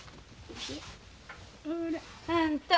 あんた